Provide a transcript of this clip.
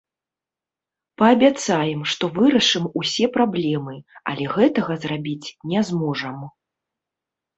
Паабяцаем, што вырашым усе праблемы, але гэтага зрабіць не зможам.